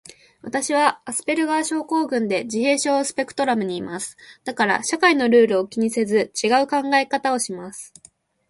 私はアスペルガー症候群で、自閉症スペクトラムにいます。だから社会のルールを気にせず、ちがう考え方をします。